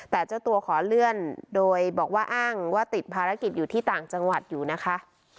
แต่เจ้าตัวขอเลื่อนโดยบอกว่าอ้างว่าติดภารกิจอยู่ที่ต่างจังหวัดอยู่นะคะ